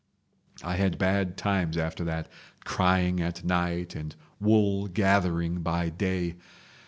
. I had bad times after that—crying at night and wool gathering by day.